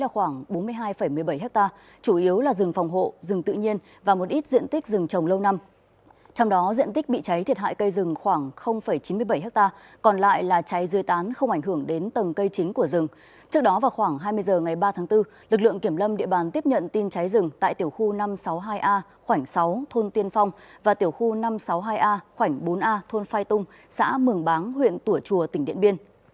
khoảng hai mươi h ngày ba tháng bốn lực lượng kiểm lâm địa bàn tiếp nhận tin cháy rừng tại tiểu khu năm trăm sáu mươi hai a khoảnh sáu thôn tiên phong và tiểu khu năm trăm sáu mươi hai a khoảnh bốn a thôn phai tung xã mường báng huyện tủa chùa tỉnh điện biên